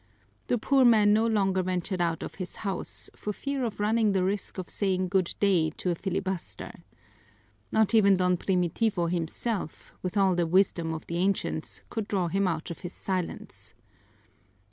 The poor man no longer ventured out of his house for fear of running the risk of saying good day to a filibuster. Not even Don Primitivo himself, with all the wisdom of the ancients, could draw him out of his silence.